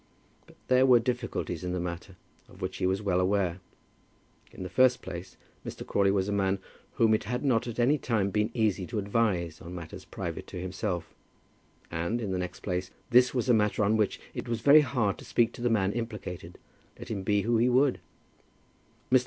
But there were difficulties in the matter of which he was well aware. In the first place Mr. Crawley was a man whom it had not at any time been easy to advise on matters private to himself; and, in the next place, this was a matter on which it was very hard to speak to the man implicated, let him be who he would. Mr.